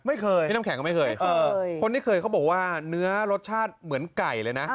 ไม่เคยพี่น้ำแข็งก็ไม่เคยคนที่เคยเขาบอกว่าเนื้อรสชาติเหมือนไก่เลยนะ